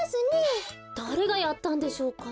だれがやったんでしょうか？